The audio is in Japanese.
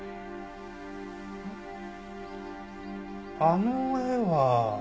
あの絵は？